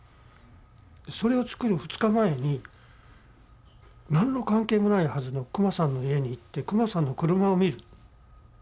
それを作る２日前に何の関係もないはずの久間さんの家に行って久間さんの車を見る。